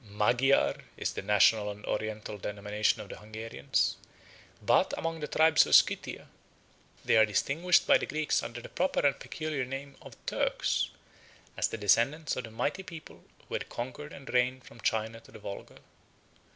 20 Magiar is the national and oriental denomination of the Hungarians; but, among the tribes of Scythia, they are distinguished by the Greeks under the proper and peculiar name of Turks, as the descendants of that mighty people who had conquered and reigned from China to the Volga.